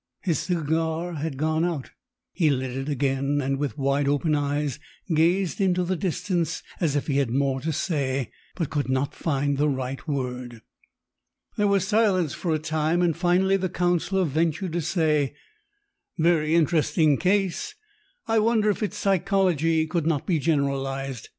His cigar had gone out. He lit it again, and with wide open eyes gazed into the distance as if he had more to say but could not find the right word. There was silence for a time, and finally the counsellor ventured to say: "Very interesting case! I wonder if its psychology could not be generalised?